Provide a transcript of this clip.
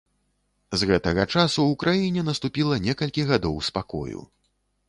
З гэтага часу ў краіне наступіла некалькі гадоў спакою.